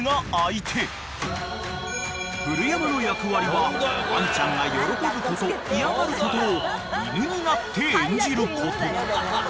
［古山の役割はワンちゃんが喜ぶこと嫌がることを犬になって演じること］